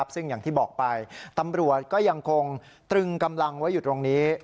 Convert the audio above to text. ซึ่งอย่างที่บอกไปตำรวจก็ยังคงตรึงกำลังไว้อยู่ตรงนี้